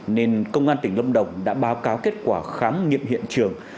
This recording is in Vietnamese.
nên công an tỉnh lâm đồng đã báo cáo kết quả khám nghiệm hiện trường